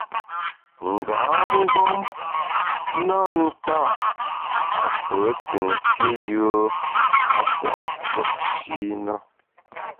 Nga mgbom na nta’ a pe te nsié yùe a pua’ fùepshi na.